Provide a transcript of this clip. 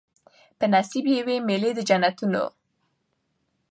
په نصیب یې وي مېلې د جنتونو